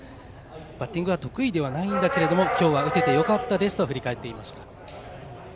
バッティングは得意ではないんだけれども今日は打ててよかったですと振り返っていました。